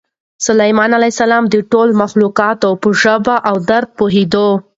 سلیمان علیه السلام د ټولو مخلوقاتو په ژبه او درد پوهېده.